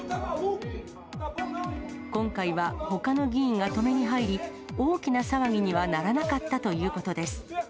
今回はほかの議員が止めに入り、大きな騒ぎにはならなかったということです。